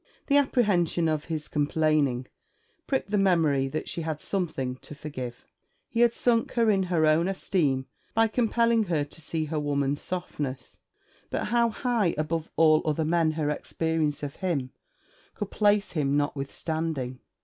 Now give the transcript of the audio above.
The apprehension of his complaining pricked the memory that she had something to forgive. He had sunk her in her own esteem by compelling her to see her woman's softness. But how high above all other men her experience of him could place him notwithstanding!